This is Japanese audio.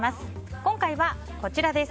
今回はこちらです。